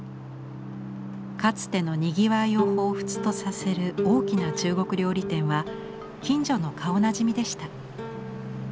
かつてのにぎわいを彷彿とさせる大きな中国料理店は近所の顔なじみでした。